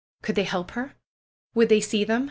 Could they help her? Would they see them?